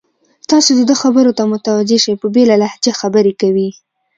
تاسې د ده خبرو ته متوجه شئ، په بېله لهجه خبرې کوي.